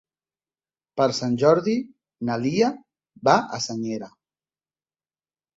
Per Sant Jordi na Lia va a Senyera.